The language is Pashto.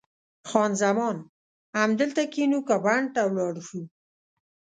خان زمان: همدلته کښېنو که بڼ ته ولاړ شو؟